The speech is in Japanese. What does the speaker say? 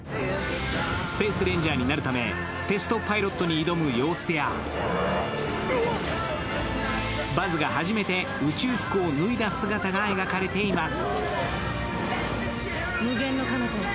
スペースレンジャーになるためテストパイロットに挑む様子やバズが初めて宇宙服を脱いだ姿が描かれています。